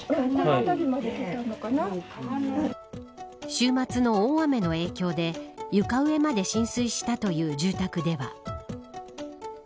週末の大雨の影響で床上まで浸水したという住宅では。